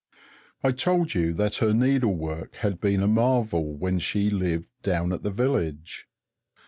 I told you that her needlework had been a marvel when she lived down at the village.